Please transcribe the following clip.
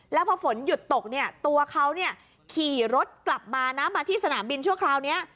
แล้วพอฝนหยุดตกเนี่ยตัวเขาขี่รถกลับมานะมาที่สนามบินชั่วคราวนี้